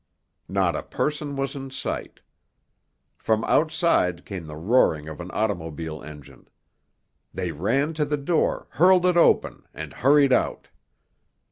Not a person was in sight. From outside came the roaring of an automobile engine. They ran to the door, hurled it open, and hurried out.